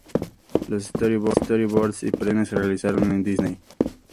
Los storyboards y pre-producción se realizaron en Disney.